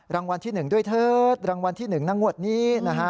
รางวัลที่๑ด้วยเถิดรางวัลที่๑นะงวดนี้นะฮะ